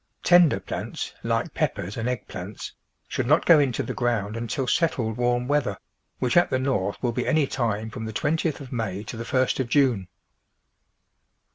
Tender plants, like peppers and egg plants, should not go into the ground until settled warm weather, which at the North will be any time from the twentieth of May to the first of June.